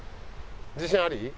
自信あり？